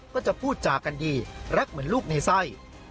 ก็จะพูดจากันดีรักเหมือนลูกในไส้